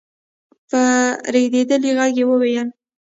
په رېږدېدلې غږ يې وويل: